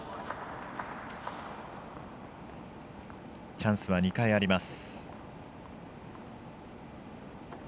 チャンスは２回あります。